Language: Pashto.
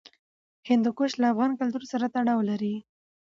هندوکش له افغان کلتور سره تړاو لري.